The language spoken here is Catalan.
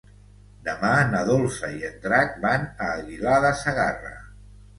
Demà na Dolça i en Drac van a Aguilar de Segarra.